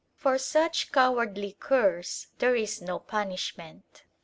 For such cowardly curs there is no punishment.